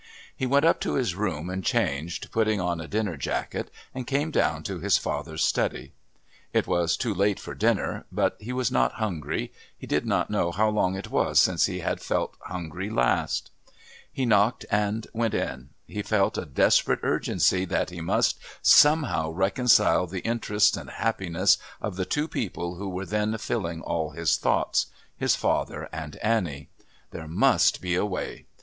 He went up to his room and changed, putting on a dinner jacket, and came down to his father's study. It was too late for dinner, but he was not hungry; he did not know how long it was since he had felt hungry last. He knocked and went in. He felt a desperate urgency that he must somehow reconcile the interests and happiness of the two people who were then filling all his thoughts his father and Annie. There must be a way.